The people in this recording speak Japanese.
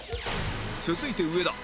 続いて上田